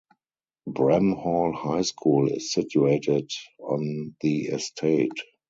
Bramhall High School is situated on the estate.